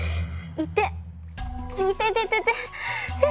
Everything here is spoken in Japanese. いてててて！